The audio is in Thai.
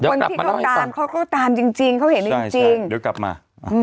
คนที่เขาตามเขาก็ตามจริงเขาเห็นจริงเดี๋ยวกลับมา